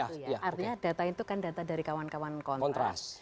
artinya data itu kan data dari kawan kawan kontras